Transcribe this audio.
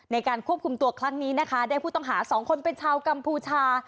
ในการควบคุมตัวครั้งนี้นะคะได้ผู้ต้องหาสองคนเป็นชาวกัมพูชา